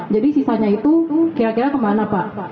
jadi sisanya itu kira kira kemana pak